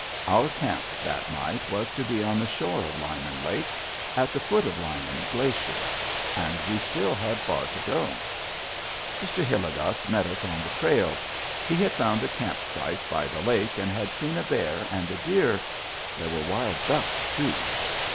Our camp, that night, was to be on the shore of Lyman Lake, at the foot of Lyman Glacier. And we had still far to go. Mr. Hilligoss met us on the trail. He had found a camp site by the lake and had seen a bear and a deer. There were wild ducks also.